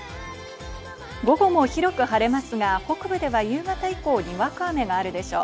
午後も広く晴れますが、北部では夕方以降、にわか雨があるでしょう。